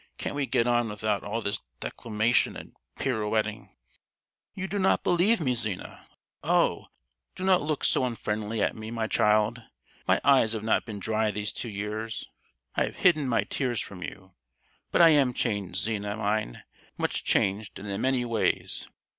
"Can't we get on without all this declamation and pirouetting?" "You do not believe me, Zina! Oh! do not look so unfriendly at me, my child! My eyes have not been dry these two years. I have hidden my tears from you; but I am changed, Zina mine, much changed and in many ways!